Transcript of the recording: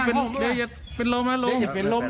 ไม่ออกไปช่างอ้วน